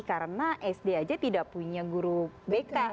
karena sd aja tidak punya guru beka